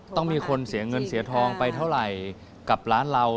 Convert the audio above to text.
ต้องมีคนเสียเงินเสียทองไปเท่าไหร่กับร้านเรา